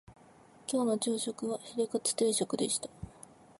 今日の朝食はヒレカツ定食でした